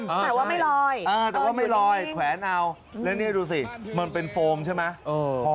แต่ว่าไม่ลอยแต่ว่าไม่ลอยแขวนเอาแล้วนี่ดูสิมันเป็นโฟมใช่ไหม